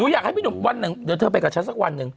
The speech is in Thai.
อยากให้พี่หนุ่มวันหนึ่งเดี๋ยวเธอไปกับฉันสักวันหนึ่ง